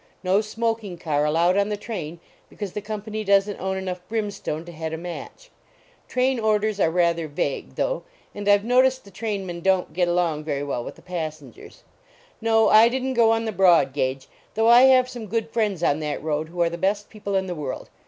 No smoking car allowed on the train because the company doesn t own enough brimstone to head a match. Train orders are rather vague, though; and I ve noticed the trainmen don t get along very well with the passengers. No, I didn t go on the broad gauge, though I have some good friends on that road who are the best people in the world.